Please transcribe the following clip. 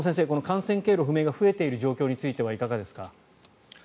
感染経路不明が増えている状況についてはいかがですか。